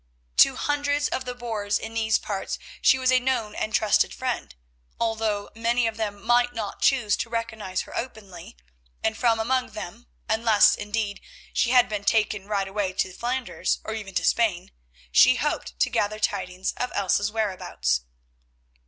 To hundreds of the boers in these parts she was a known and trusted friend, although many of them might not choose to recognise her openly, and from among them, unless, indeed, she had been taken right away to Flanders, or even to Spain, she hoped to gather tidings of Elsa's whereabouts.